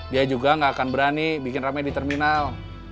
dia juga nggak akan berani bikin rame di terminal